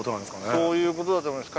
そういうことだと思います